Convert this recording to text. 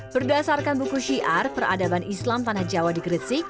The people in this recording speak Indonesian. berdasarkan buku syiar peradaban islam tanah jawa di gresik